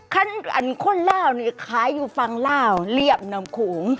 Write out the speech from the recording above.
ขั้นอันข้นล่าวนี่ขายอยู่ฟังล่าวเรียบนำโขง